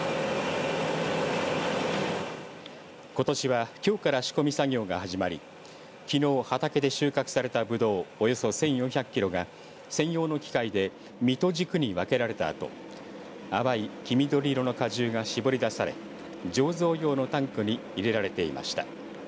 ことしはきょうから仕込み作業が始まりきのう畑で収穫されたブドウおよそ１４００キロが専用の機械で実と軸に分けられたあと淡い黄緑色の果汁が搾りだされ醸造用のタンクに入れられていました。